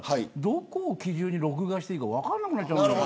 どこを基準に録画していいか分からなくなる。